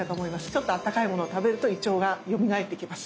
ちょっとあったかいものを食べると胃腸がよみがえってきます。